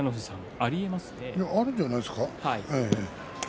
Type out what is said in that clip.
あるんじゃないですか。